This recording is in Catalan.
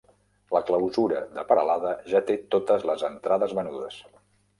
La clausura de Peralada ja té totes les entrades venudes